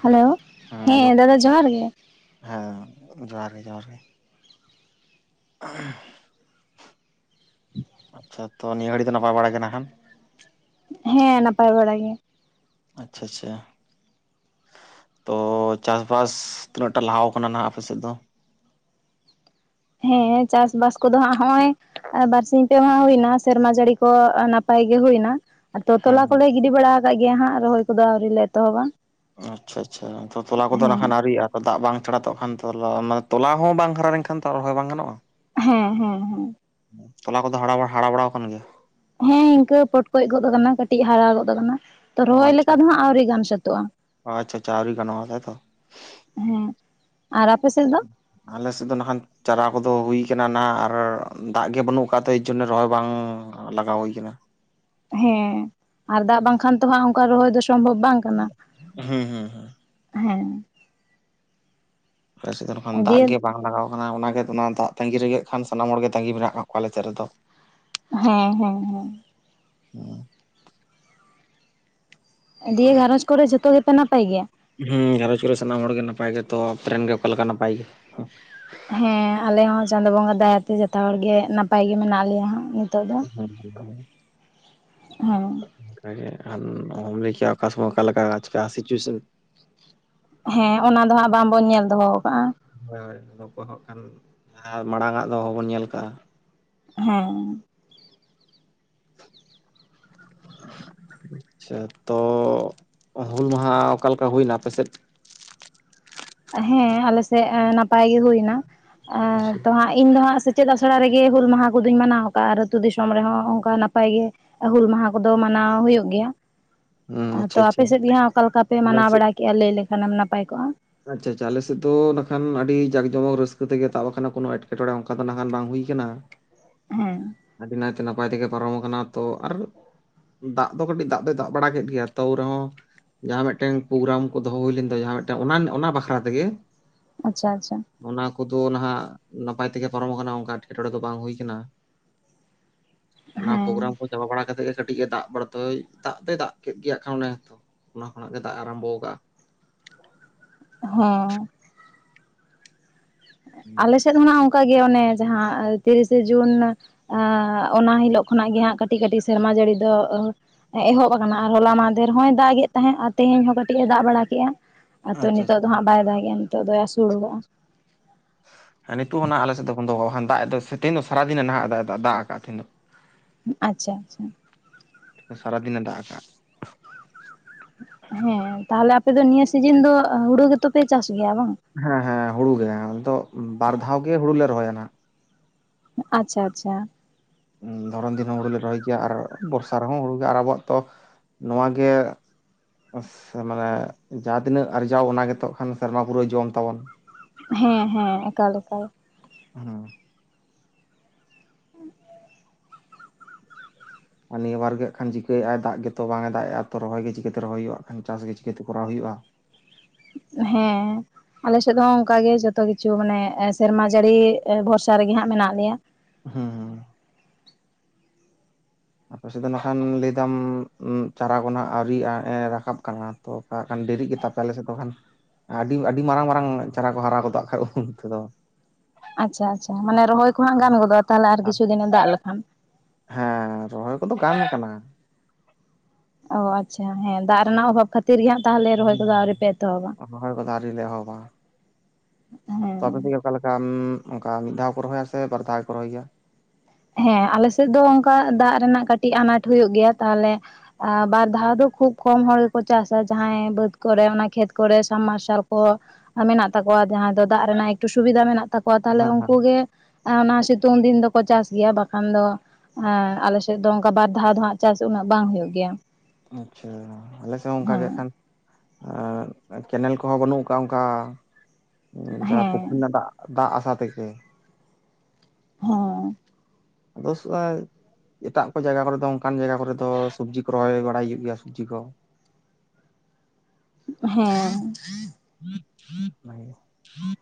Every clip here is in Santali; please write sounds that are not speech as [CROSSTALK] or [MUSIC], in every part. ᱦᱮᱞᱳ ᱦᱮᱸ ᱫᱟᱫᱟ ᱡᱚᱦᱟᱸᱨ ᱜᱮ᱾ ᱦᱮᱸ ᱡᱚᱦᱟᱸᱨ ᱜᱮ ᱡᱚᱦᱟᱸᱨ ᱜᱮ᱾ ᱟᱪᱪᱷᱟ ᱛᱚ ᱱᱤᱭᱟᱹ ᱜᱷᱟᱹᱲᱤᱡ ᱫᱚ ᱱᱟᱯᱟᱭ ᱵᱟᱲᱟᱭ ᱜᱮ ᱱᱟᱜ ᱠᱷᱟᱱ? ᱦᱮᱸ ᱱᱟᱯᱟᱭ ᱵᱟᱲᱟ ᱜᱮ᱾ ᱟᱪᱪᱷᱟ ᱟᱪᱪᱷᱟ᱾ ᱛᱚ ᱪᱟᱥ ᱵᱟᱥ ᱛᱤᱱᱟᱹᱜ ᱴᱟ ᱞᱟᱦᱟᱣ ᱠᱟᱱᱟ ᱱᱟᱦᱟᱜ ᱟᱯᱮ ᱥᱮᱫ ᱫᱚ? ᱦᱮᱸ ᱪᱟᱥᱵᱟᱥ ᱠᱚᱫᱚ ᱦᱟᱸᱜ ᱦᱚᱸᱜᱼᱚᱭᱼᱼ ᱟᱨ ᱵᱟᱨᱥᱤᱧ ᱯᱮ ᱢᱟ ᱦᱩᱭᱱᱟ ᱥᱮᱨᱢᱟ ᱡᱟᱲᱤ ᱠᱚ ᱱᱟᱯᱟᱭ ᱜᱮ ᱦᱩᱭᱱᱟ᱾ ᱟᱫᱚ ᱦᱮᱸ ᱛᱚᱞᱟ ᱦᱮᱸ ᱠᱚᱞᱮ ᱜᱤᱰᱤ ᱵᱟᱲᱟ ᱟᱠᱟᱫ ᱜᱮᱭᱟ ᱦᱟᱸᱜ ᱨᱚᱦᱚᱭ ᱠᱚᱫᱚ ᱟᱣᱨᱤ ᱞᱮ ᱮᱛᱚᱦᱚᱵᱟ᱾ ᱟᱪᱪᱷᱟ ᱟᱪᱪᱷᱟ ᱛᱚ ᱛᱚᱞᱟ ᱠᱚᱫᱚ ᱦᱮᱸ ᱱᱟᱦᱟᱜ ᱱᱟᱹᱣᱤᱨᱤᱭᱟᱜᱼᱟ? ᱫᱟᱜ ᱵᱟᱝ ᱪᱷᱟᱲᱟ ᱛᱚ ᱦᱟᱜᱠᱷᱟᱱ ᱛᱚᱞᱟ, ᱚᱱᱟ ᱛᱚᱞᱟ ᱦᱚᱸ ᱵᱟᱝ ᱦᱟᱨᱟ ᱞᱮᱱᱠᱷᱟᱱ ᱛᱚ ᱨᱚᱦᱚᱭ ᱵᱟᱝ ᱜᱟᱱᱚᱜᱼᱟ᱾ ᱦᱮᱸ ᱦᱮᱸ ᱦᱮᱸ᱾ ᱛᱚᱞᱟ ᱠᱚᱫᱚ ᱦᱟᱲᱟᱣ ᱦᱟᱲᱟ ᱵᱟᱲᱟ ᱠᱟᱱ ᱜᱮᱭᱟ? ᱦᱮᱸ ᱤᱱᱠᱟᱹ ᱯᱚᱴᱠᱚᱡ ᱜᱚᱫ ᱠᱟᱱᱟ ᱠᱟᱹᱴᱤᱡ ᱦᱟᱨᱟ ᱜᱚᱫ ᱠᱟᱱᱟ᱾ ᱛᱚ ᱚ ᱨᱚᱦᱚᱭ ᱟᱪᱪᱷᱟ ᱞᱮᱠᱟ ᱫᱚ ᱦᱟᱜ ᱟᱹᱣᱨᱤ ᱜᱟᱱ ᱥᱟᱹᱛᱟᱹᱜᱼᱟ᱾ ᱟᱪᱪᱷᱟ ᱟᱪᱪᱷᱟ ᱟᱹᱣᱨᱤ ᱜᱟᱱᱚᱜᱼᱟ ᱛᱟᱭᱛᱚ ᱦᱮᱸ ᱟᱨ ᱟᱯᱮ ᱥᱮᱫ? ᱫᱚ ᱟᱞᱮ ᱥᱮᱫ ᱫᱚ ᱱᱟᱦᱟᱱ ᱪᱟᱨᱟ ᱠᱚᱫᱚ ᱦᱩᱭ ᱠᱟᱱᱟ ᱱᱟᱦᱟᱜ ᱟᱨ ᱫᱟᱜ ᱜᱮ ᱵᱟᱹᱱᱩᱜ ᱠᱟᱫ ᱛᱮ ᱮᱭ ᱡᱚᱱᱱᱚ ᱨᱚᱦᱚᱭ ᱵᱟᱝᱼᱼ ᱞᱟᱜᱟᱣ ᱦᱩᱭ ᱠᱟᱱᱟ᱾ ᱦᱮᱸ ᱟᱨ ᱫᱟᱜ ᱵᱟᱝᱠᱷᱟᱱ ᱛᱚ ᱦᱟᱸᱜ ᱚᱱᱠᱟ ᱨᱚᱦᱚᱭ ᱫᱚᱼᱼ ᱥᱚᱢᱵᱷᱚᱵᱽ ᱵᱟᱝ ᱠᱟᱱᱟ ᱦᱩᱸ ᱦᱩᱸ ᱦᱩᱸ ᱦᱮᱸ᱾ ᱟᱞᱮ ᱥᱮᱫ ᱫᱚ ᱱᱟᱠᱷᱟᱱ ᱫᱟᱜ ᱫᱤᱭᱮ ᱜᱮᱼᱼ ᱵᱟᱝ ᱞᱟᱜᱟᱣ ᱠᱟᱱᱟ ᱚᱱᱟᱜᱮ ᱛᱚᱱᱟ ᱫᱟᱜ ᱛᱟᱹᱜᱤ ᱨᱮᱜᱮ ᱠᱷᱟᱱ ᱥᱟᱱᱟᱢ ᱦᱚᱲ ᱜᱮ ᱛᱟᱹᱜᱤ ᱢᱮᱱᱟᱜ ᱠᱟᱫ ᱠᱚᱣᱟ ᱟᱞᱮ ᱥᱮᱫ ᱨᱮᱫᱚ᱾ ᱦᱮᱸ ᱦᱮᱸ ᱦᱮᱸ᱾ ᱦᱩᱸ ᱫᱤᱭᱟ ᱜᱷᱟᱨᱚᱸᱡᱽ ᱠᱚᱨᱮ ᱡᱚᱛᱚ ᱜᱮᱯᱮ ᱱᱟᱯᱟᱭ ᱜᱮᱭᱟ? ᱦᱩᱸ ᱜᱷᱟᱸᱨᱚᱡᱽ ᱠᱚᱨᱮ ᱥᱟᱱᱟᱢ ᱦᱚᱲ ᱜᱮ ᱱᱟᱯᱟᱭ ᱜᱮ, ᱛᱚ ᱟᱯᱮ ᱨᱮᱱ ᱜᱮ ᱚᱠᱟ ᱞᱮᱠᱟ ᱱᱟᱯᱟᱭ ᱜᱮ? ᱦᱮᱸ ᱟᱞᱮ ᱦᱚᱸ ᱪᱟᱸᱫᱚ ᱵᱚᱸᱜᱟ ᱫᱟᱭᱟ ᱛᱮ ᱡᱚᱛᱚ ᱦᱚᱲ ᱜᱮ ᱱᱟᱯᱟᱭ ᱜᱮ ᱢᱮᱱᱟᱜ ᱞᱮᱭᱟ ᱦᱟᱜ᱾ ᱛᱚ ᱫᱚ ᱦᱮᱸᱼᱼ [UNINTELLIGIBLE] ᱚᱦᱚᱢ ᱞᱟᱹᱭ ᱠᱮᱭᱟ ᱚᱠᱟ ᱥᱳᱢᱳᱭ ᱚᱠᱟ ᱞᱮᱠᱟ ᱥᱤᱪᱩᱭᱮᱥᱮᱱ᱾ ᱦᱮᱸ ᱚᱱᱟ ᱫᱚ ᱦᱟᱸᱜ ᱵᱟᱝᱵᱚᱱ ᱧᱮᱞ ᱫᱚᱦᱚ ᱠᱟᱜ-ᱟ᱾ ᱦᱳᱭ ᱦᱳᱭ [UNINTELLIGIBLE] ᱟᱨ ᱢᱟᱲᱟᱝ ᱟᱜ ᱫᱚ ᱵᱟᱵᱚᱱ ᱧᱮᱞ ᱠᱟᱜᱼᱟ᱾ ᱦᱮᱸ᱾ ᱟᱪᱪᱷᱟ, ᱛᱚ ᱦᱩᱞ ᱢᱟᱦᱟ ᱚᱠᱟᱞᱮᱠᱟ ᱦᱩᱭᱱᱟ ᱟᱯᱮ ᱥᱮᱫ? ᱦᱮᱸ ᱟᱞᱮ ᱥᱮᱫ ᱮ ᱱᱟᱯᱟᱭ ᱜᱮ ᱦᱩᱭᱱᱟ ᱮ ᱛᱚ ᱦᱟᱸᱜᱼᱼ ᱤᱧ ᱫᱚ ᱦᱟᱸᱜ ᱥᱮᱪᱮᱫ ᱟᱥᱲᱟ ᱨᱮᱜᱮ ᱦᱩᱞ ᱢᱟᱦᱟ ᱠᱚᱫᱚᱧ ᱢᱟᱱᱟᱣ ᱠᱟᱜᱼᱟ, ᱟᱨ ᱟᱹᱛᱩ ᱫᱤᱥᱚᱢ ᱨᱮᱦᱚᱸ ᱚᱱᱠᱟ ᱱᱟᱯᱟᱭ ᱜᱮ᱾ ᱦᱩᱞ ᱢᱟᱦᱟ ᱠᱚᱫᱚ ᱢᱟᱱᱟᱣ ᱦᱩᱭᱩᱜ ᱜᱮᱭᱟ᱾ ᱦᱩᱸ ᱟᱪᱪᱷᱟ ᱟᱫᱚ ᱟᱪᱪᱷᱟ ᱟᱯᱮ ᱥᱮᱫ ᱜᱮ ᱦᱟᱸᱜ ᱚᱠᱟ ᱞᱮᱠᱟ ᱯᱮ ᱟᱞᱮ ᱢᱟᱱᱟᱣ ᱥᱮᱫ ᱵᱟᱲᱟ ᱠᱮᱜᱼᱟ ᱞᱟᱹᱭ ᱞᱮᱠᱷᱟᱱᱮᱢ ᱱᱟᱯᱟᱭ ᱠᱚᱜᱼᱟ᱾ ᱟᱪᱪᱷᱟ ᱟᱪᱪᱷᱟ ᱟᱞᱮ ᱥᱮᱫ ᱫᱚ ᱱᱟᱠᱷᱟᱱ ᱟᱹᱰᱤ ᱡᱟᱠᱼᱼ ᱡᱚᱢᱚᱠ ᱨᱟᱹᱥᱠᱟᱹ ᱛᱮᱜᱮ ᱛᱟᱵ ᱠᱟᱱᱟ, ᱠᱳᱱᱚ ᱮᱴᱠᱮᱴᱚᱬᱮ ᱚᱱᱠᱟ ᱫᱚ ᱱᱟᱠᱷᱟᱱ ᱵᱟᱝ ᱦᱩᱭ ᱠᱟᱱᱟ᱾ ᱦᱮᱸ᱾ ᱟᱹᱰᱤ ᱱᱟᱭ ᱛᱮ ᱱᱟᱯᱟᱭ ᱛᱮᱜᱮ ᱯᱟᱨᱚᱢ ᱟᱠᱟᱱᱟ ᱛᱚ ᱟᱨᱼᱼ ᱫᱟᱜ ᱫᱚ ᱠᱟᱹᱴᱤᱡ ᱫᱟᱜ ᱫᱚᱭ ᱫᱟᱜ ᱵᱟᱲᱟ ᱠᱮᱫ ᱜᱮᱭᱟ ᱛᱟᱹᱣ ᱨᱮᱦᱚᱸᱼᱼ ᱡᱟᱦᱟᱸ ᱢᱤᱫᱴᱟᱝ ᱯᱳᱜᱨᱟᱢ ᱠᱚ ᱫᱚᱦᱚ ᱦᱩᱭ ᱞᱮᱱ ᱛᱟᱦᱮᱡᱟ, ᱟᱨ ᱢᱤᱫᱴᱟᱝ ᱚᱱᱟ ᱚᱱᱟ ᱵᱟᱠᱷᱨᱟ ᱛᱮᱜᱮᱼᱼ ᱟᱪᱪᱷᱟ ᱟᱪᱪᱷᱟ᱾ ᱚᱱᱟ ᱠᱚᱫᱚ ᱱᱟᱦᱟᱜ ᱱᱟᱯᱟᱭ ᱛᱮᱜᱮ ᱯᱟᱨᱚᱢ ᱠᱟᱱᱟ ᱚᱝᱠᱟ ᱮᱴᱠᱮᱴᱚᱬᱮ ᱫᱚ ᱵᱟᱝ ᱦᱩᱭ ᱠᱟᱱᱟ᱾ ᱚᱱᱟ ᱯᱳᱜᱨᱟᱢ ᱦᱮᱸ ᱠᱚ ᱪᱟᱵᱟ ᱵᱟᱲᱟ ᱠᱟᱛᱮ ᱜᱮ ᱠᱟᱹᱴᱤᱡᱼ ᱮ ᱫᱟᱜ ᱵᱟᱲᱟᱼᱼ ᱛᱟᱹᱭ ᱫᱟᱜ ᱫᱚᱭ ᱫᱟᱜ ᱠᱮᱫ ᱜᱮᱭᱟ ᱠᱷᱟᱱ ᱚᱱᱮ ᱛᱚ ᱚᱱᱟ ᱠᱷᱚᱱᱟᱜ ᱜᱮ ᱫᱟᱜ ᱮ ᱟᱨᱟᱢᱵᱚ ᱠᱟᱜᱼᱟ᱾ ᱦᱚᱸ᱾ ᱦᱩᱸ ᱟᱞᱮ ᱥᱮᱫ ᱦᱚᱸ ᱱᱟᱦᱟᱜ ᱚᱱᱠᱟ ᱜᱮ ᱚᱱᱮ ᱡᱟᱦᱟᱸ ᱛᱤᱨᱤᱥᱮ ᱡᱩᱱᱼᱼ ᱟᱻ ᱚᱱᱟ ᱦᱤᱞᱚᱜ ᱠᱷᱚᱱᱟᱜ ᱜᱮ ᱦᱟᱸᱜ ᱠᱟᱹᱴᱤᱡ ᱠᱟᱹᱴᱤᱡ ᱥᱮᱨᱢᱟ ᱡᱟᱹᱲᱤ ᱫᱚ ᱚᱦᱚ ᱮᱦᱚᱵ ᱟᱠᱟᱱᱟ ᱟᱨ ᱦᱚᱞᱟ ᱢᱟᱦᱫᱷᱮᱨ ᱦᱚᱸᱭ ᱫᱟᱜᱮᱫ ᱛᱟᱦᱮᱸᱫ ᱟᱨ ᱛᱮᱦᱮᱧ ᱦᱚᱸ ᱠᱟᱹᱴᱤᱡ ᱮ ᱫᱟᱜ ᱵᱟᱲᱟ ᱠᱮᱜᱼᱟ᱾ ᱟ ᱛᱚ ᱟᱪᱪᱷᱟ ᱱᱤᱛᱚᱜ ᱟᱪᱪᱷᱟ ᱫᱚ ᱦᱟᱸᱜ ᱵᱟᱭ ᱫᱟᱜᱮᱜᱼᱟ᱾ ᱱᱤᱛᱚᱜ ᱫᱚᱭ ᱟᱥᱳᱲ ᱟᱠᱟᱫᱼᱟ᱾ ᱦᱮ ᱱᱤᱛᱚᱜ ᱱᱷᱟᱜ ᱟᱞᱮ ᱥᱮᱫ ᱫᱚ ᱵᱚᱱᱫᱚ, ᱵᱟᱠᱷᱟᱱ ᱫᱟᱜ ᱮᱫ ᱫᱚᱭ ᱥᱮ ᱛᱮᱦᱮᱧ ᱫᱚ ᱥᱟᱨᱟ ᱫᱤᱱᱟᱭ ᱱᱷᱟᱜ, ᱫᱟᱜ ᱮ ᱫᱟᱜ ᱮᱫᱟ, ᱫᱟᱜ ᱟᱠᱟᱫ-ᱟ ᱛᱮᱦᱮᱧ ᱫᱚ᱾ ᱟᱪᱪᱷᱟ ᱟᱪᱪᱷᱟ᱾ ᱥᱟᱨᱟ ᱫᱤᱱ ᱮ ᱫᱟᱜ ᱟᱠᱟᱫ-ᱟ᱾ ᱦᱮᱸ ᱛᱟᱦᱞᱮ ᱟᱯᱮ ᱫᱚ ᱱᱤᱭᱟᱹ ᱥᱤᱡᱤᱱ ᱫᱚ ᱦᱩᱲᱩ ᱜᱮ ᱛᱚᱯᱮ ᱪᱟᱥ ᱜᱮᱭᱟ ᱵᱟᱝ? ᱦᱮᱸ ᱦᱮᱸ, ᱦᱩᱲᱩ ᱜᱮ, ᱟᱫᱚ ᱵᱟᱨ ᱫᱷᱟᱣ ᱜᱮ ᱦᱩᱲᱩ ᱞᱮ ᱨᱚᱦᱚᱭᱟ ᱱᱷᱟᱜ᱾ ᱟᱪᱪᱷᱟ ᱟᱪᱪᱷᱟ᱾ ᱫᱷᱚᱨᱚᱱ ᱫᱤᱱ ᱦᱚᱸ ᱦᱩᱲᱩᱞᱮ ᱨᱚᱦᱚᱭ ᱜᱮᱭᱟ ᱟᱨ ᱵᱚᱨᱥᱟ ᱨᱮᱦᱚᱸ ᱦᱩᱲᱩ ᱜᱮ ᱟᱨ ᱟᱵᱚᱣᱟᱜ ᱛᱚ ᱱᱚᱶᱟ ᱜᱮ [UNINTELLIGIBLE] ᱢᱟᱱᱮ ᱡᱟᱦᱟᱸ ᱛᱤᱱᱟᱹᱜ ᱟᱨᱡᱟᱣ ᱚᱱᱟ ᱜᱮᱛᱚᱜ ᱠᱷᱟᱱ ᱥᱮᱨᱢᱟ ᱯᱩᱨᱟᱹᱣ ᱡᱚᱢ ᱛᱟᱵᱚᱱ᱾ ᱦᱮᱸ ᱦᱮᱸ ᱮᱠᱟᱞ ᱮᱠᱟᱞ᱾ ᱦᱩᱸ᱾ [UNINTELLIGIBLE] ᱟᱨ ᱱᱤᱭᱟᱹ ᱵᱟᱨ ᱜᱮ ᱠᱷᱟᱱ ᱪᱤᱠᱟᱹᱭᱮᱜ ᱟᱭ ᱫᱟᱜ ᱜᱮ ᱛᱚ ᱵᱟᱝ ᱮ ᱫᱟᱜᱮᱜᱼᱟ᱾ ᱛᱚ ᱨᱚᱦᱚᱭ ᱜᱮ ᱪᱤᱠᱟᱹᱛᱮ ᱨᱚᱦᱚᱭ ᱦᱩᱭᱩᱜ-ᱟ? ᱠᱷᱟᱱ ᱪᱟᱥ ᱜᱮ ᱪᱤᱠᱟᱹᱛᱮ ᱠᱚᱨᱟᱣ ᱦᱩᱭᱩᱜᱼᱟ? ᱦᱮᱸ᱾ ᱟᱞᱮ ᱮᱥᱮᱫ ᱦᱚᱸ ᱚᱱᱠᱟᱜ ᱜᱮ ᱡᱚᱛᱚ ᱠᱤᱪᱷᱩ ᱢᱟᱱᱮ ᱥᱮᱨᱢᱟ ᱡᱟᱹᱲᱤ ᱮ ᱵᱷᱚᱨᱥᱟ ᱨᱮᱜᱮ ᱦᱟᱸᱜ ᱢᱮᱱᱟᱜ ᱞᱮᱭᱟ᱾ ᱦᱩᱸ ᱦᱩᱸ᱾ ᱟᱯᱮ ᱥᱮᱫ ᱫᱚ ᱮᱱᱠᱷᱟᱱ ᱞᱟᱹᱭᱫᱟᱢ ᱩᱸ ᱪᱟᱨᱟ ᱠᱚ ᱱᱷᱟᱜ ᱟᱹᱣᱨᱤᱭᱟᱜ-ᱟ ᱮ ᱨᱟᱠᱟᱵ ᱠᱟᱱᱟ᱾ ᱛᱚ ᱚᱱᱠᱟ ᱠᱷᱟᱱ ᱰᱮᱨᱤᱜ ᱜᱮ ᱛᱟᱯᱮ ᱟᱞᱮ ᱥᱮᱫ ᱠᱚ ᱠᱷᱟᱱ᱾ ᱟᱹᱰᱤ ᱟᱹᱰᱤ ᱢᱟᱨᱟᱝ ᱢᱟᱨᱟᱝ ᱪᱟᱨᱟ ᱠᱚ ᱦᱟᱨᱟ ᱜᱚᱫᱚᱜ-ᱟ ᱠᱷᱟᱡ ᱩᱛᱷᱠᱩᱢ ᱚᱱᱛᱮ ᱫᱚ᱾ ᱟᱪᱪᱷᱟ ᱟᱪᱪᱷᱟ᱾ ᱢᱟᱱᱮ ᱨᱚᱦᱚᱭ ᱠᱚ ᱦᱩᱱᱟᱹᱝ ᱜᱟᱱ ᱜᱚᱫᱚᱜ-ᱟ ᱛᱟᱦᱞᱮ ᱟᱨ ᱠᱤᱪᱷᱩ ᱫᱤᱱ ᱮ ᱫᱟᱜ ᱞᱮᱠᱷᱟᱱ᱾ ᱦᱮᱸ ᱨᱚᱦᱚᱭ ᱠᱚᱫᱚ ᱜᱟᱱ ᱟᱠᱟᱱᱟ᱾ ᱚ ᱟᱪᱪᱷᱟ᱾ ᱦᱮᱸ, ᱫᱟᱜ ᱨᱮᱱᱟᱜ ᱚᱵᱷᱟᱵᱽ ᱠᱷᱟᱹᱛᱤᱨ ᱜᱮ ᱦᱟᱸᱜ ᱛᱟᱦᱞᱮ ᱨᱚᱦᱚᱭ ᱠᱚᱫᱚ ᱟᱹᱣᱨᱤᱯᱮ ᱮᱛᱚᱦᱚᱵᱟ? ᱨᱚᱦᱚᱭ ᱠᱚᱫᱚ ᱟᱹᱣᱨᱤ ᱞᱮ ᱮᱦᱚᱵᱟ᱾ ᱛᱚ ᱦᱮᱸ ᱟᱯᱮᱥᱮᱫ ᱚᱠᱟ ᱞᱮᱠᱟ ᱩᱸᱢᱻ ᱚᱱᱠᱟ ᱢᱤᱫ ᱫᱷᱟᱣ ᱠᱚ ᱨᱚᱦᱚᱭᱟ ᱥᱮ ᱵᱟᱨ ᱫᱷᱟᱣ ᱠᱚ ᱨᱚᱦᱚᱭ ᱜᱮᱭᱟ? ᱦᱮᱸ ᱟᱞᱮᱥᱮᱫ ᱫᱚ ᱚᱱᱠᱟ ᱫᱟᱜ ᱨᱮᱱᱟᱜ ᱠᱟᱹᱴᱤᱡ ᱟᱱᱟᱴ ᱦᱩᱭᱩᱜ ᱜᱮᱭᱟ᱾ ᱛᱟᱦᱞᱮ ᱟ ᱵᱟᱨ ᱫᱷᱟᱣ ᱫᱚ ᱠᱷᱩᱵᱽ ᱠᱚᱢ ᱦᱚᱲ ᱜᱮᱠᱚ ᱪᱟᱥᱟ ᱡᱟᱦᱟᱸᱭ ᱵᱟᱹᱫᱽ ᱠᱚᱨᱮ ᱚᱱᱟ ᱠᱷᱮᱛ ᱠᱚᱨᱮ ᱥᱟᱢᱟᱨᱥᱟᱞ ᱠᱚ [UNINTELLIGIBLE] ᱛᱟᱠᱚᱣᱟ ᱡᱟᱦᱟᱸ ᱫᱚ ᱫᱟᱜ ᱨᱮᱱᱟᱜ ᱮᱠᱴᱷᱩ ᱥᱩᱵᱤᱫᱷᱟ ᱢᱮᱱᱟᱜ ᱛᱟᱠᱚᱣᱟ᱾ ᱛᱟᱦᱞᱮ ᱦᱮᱸ ᱩᱱᱠᱩ ᱜᱮ ᱚᱱᱟ ᱥᱤᱛᱩᱝ ᱫᱤᱱ ᱫᱚᱠᱚ ᱪᱟᱥ ᱜᱮᱭᱟ ᱵᱟᱠᱷᱟᱱ ᱫᱚ ᱟᱞᱮᱥᱮᱫ ᱫᱚ ᱚᱱᱠᱟ ᱵᱟᱨ ᱫᱷᱟᱣ ᱫᱚ ᱦᱟᱸᱜ ᱪᱟᱥ ᱩᱱᱟᱹᱜ ᱵᱟᱝ ᱦᱩᱭᱩᱜ ᱜᱮᱭᱟ᱾ ᱟᱪᱪᱷᱟ᱾ ᱟᱞᱮ ᱥᱮᱫ ᱦᱚᱸ ᱚᱱᱠᱟᱜᱮ ᱦᱮᱸ ᱮᱠᱷᱟᱱ ᱟ ᱠᱮᱱᱮᱞ ᱠᱚᱦᱚᱸ ᱵᱟᱹᱱᱩᱜ ᱟᱠᱟᱫᱼᱟ ᱚᱱᱠᱟ ᱡᱟᱦᱟᱸ ᱯᱩᱠᱷᱨᱤ ᱦᱮᱸ ᱨᱮᱱᱟᱜ ᱫᱟᱜ ᱫᱟᱜ ᱟᱥᱟ ᱛᱮᱜᱮ᱾ ᱦᱚᱸ᱾ [UNINTELLIGIBLE] ᱮᱴᱟᱜ ᱠᱚ ᱡᱟᱭᱜᱟ ᱠᱚᱨᱮ ᱫᱚ ᱚᱱᱠᱟᱱ ᱡᱟᱭᱜᱟ ᱠᱚᱨᱮ ᱫᱚ ᱥᱚᱵᱽᱡᱤ ᱠᱚ ᱨᱚᱦᱚᱭ ᱵᱟᱲᱟᱭ ᱦᱩᱭᱩᱜ ᱜᱮᱭᱟ, ᱥᱚᱵᱽᱡᱤ ᱠᱚ᱾ ᱦᱩᱸ᱾ [UNINTELLIGIBLE]